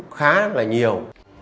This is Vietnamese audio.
khá là nhiều